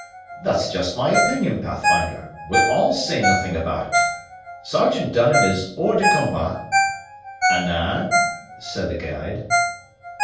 "That's just my opinion, Pathfinder; we'll all say nothing about it. Sergeant Dunham is hors de combat " "Anan?" said the guide.